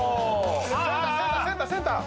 センターセンターセンターセンター！